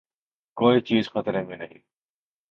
کوئی چیز خطرے میں نہیں۔